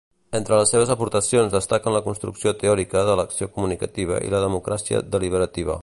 Entre les seves aportacions destaquen la construcció teòrica de l'acció comunicativa i la democràcia deliberativa.